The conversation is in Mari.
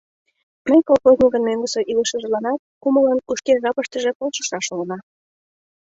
Ме колхозникын мӧҥгысӧ илышыжланат кумылын, шке жапыштыже полшышаш улына!